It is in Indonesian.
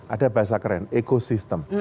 ada bahasa keren ekosistem